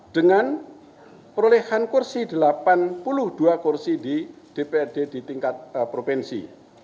dengan perolehan kursi delapan puluh dua kursi di dprd di tingkat provinsi